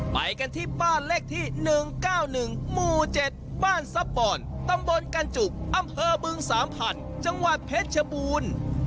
ไปกันที่บ้านเลขที่๑๙๑หมู่๗บ้านซับปอนตำบลกันจุกอำเภอบึงสามพันธุ์จังหวัดเพชรชบูรณ์